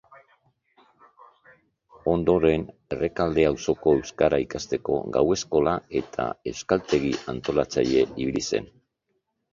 Ondoren Errekalde auzoko euskara ikasteko gau-eskola eta euskaltegi-antolatzaile ibili zen.